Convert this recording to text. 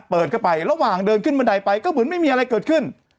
เปิดเข้าไประหว่างเดินขึ้นบันไดไปก็เหมือนไม่มีอะไรเกิดขึ้น